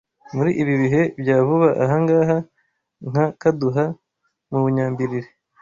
muri ibi bihe bya vuba aha ng’aha nka Kaduha mu Bunyambilili,